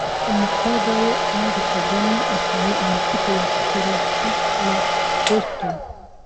umukobwa we Ange Kagame bafana amakipe ya Celtics na Boston